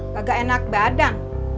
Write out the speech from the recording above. kagak enak badan